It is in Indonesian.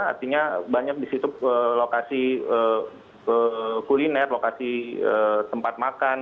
artinya banyak di situ lokasi kuliner lokasi tempat makan